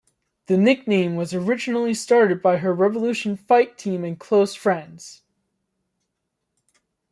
The nickname was originally started by her Revolution Fight Team and close friends.